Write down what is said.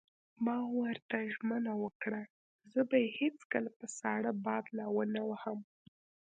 ما ورته ژمنه وکړه: زه به یې هېڅکله په ساړه باد لا ونه وهم.